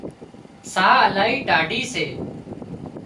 ساهَه الاهي ٽاڍي سي